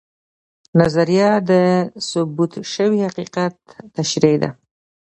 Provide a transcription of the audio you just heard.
نظریه د ثبوت شوي حقیقت تشریح ده